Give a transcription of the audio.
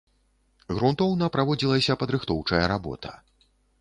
Грунтоўна праводзілася падрыхтоўчая работа.